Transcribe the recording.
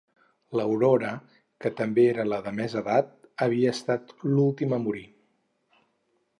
L'Aurora, que també era la de més edat, havia estat l'última a morir.